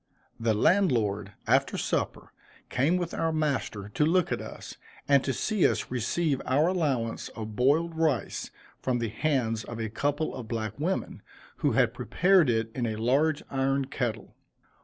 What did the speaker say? The landlord, after supper, came with our master to look at us, and to see us receive our allowance of boiled rice from the hands of a couple of black women, who had prepared it in a large iron kettle.